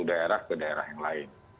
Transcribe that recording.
daerah ke daerah yang lain